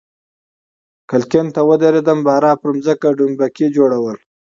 کړکۍ ته ودریدم، باران پر مځکه ډومبکي جوړول.